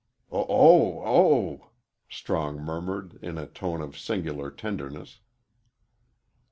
"Oh h h! Oh h h!" Strong murmured, in a tone of singular tenderness.